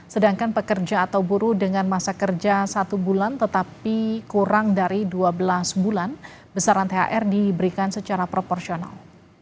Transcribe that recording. sedangkan pekerja atau buruh dengan masa kerja satu bulan tetapi kurang dari dua belas bulan besaran thr diberikan secara proporsional